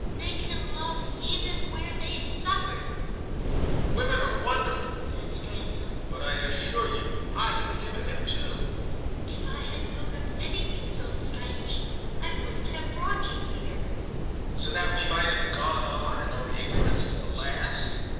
They can love even where they've suffered." "Women are wonderful," said Stransom. "But I assure you I've forgiven him too." "If I had known of anything so strange I wouldn't have brought you here." "So that we might have gone on in our ignorance to the last?"